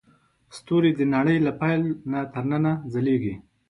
ستوري د نړۍ له پیل نه تر ننه ځلېږي.